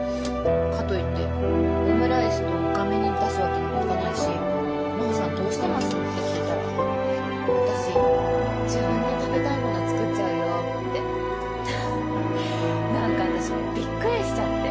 かといってオムライスとがめ煮出すわけにもいかないし「真帆さんどうしてます？」って聞いたら「私自分の食べたいもの作っちゃうよ」って。何か私ビックリしちゃって。